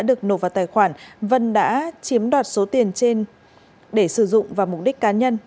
được nộp vào tài khoản vân đã chiếm đoạt số tiền trên để sử dụng vào mục đích cá nhân